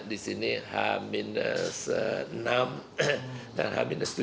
di sini h enam dan h tujuh